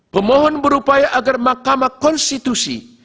pemohon berupaya agar mahkamah konstitusi